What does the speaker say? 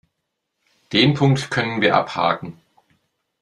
Den Punkt können wir abhaken.